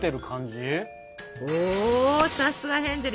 おさすがヘンゼル！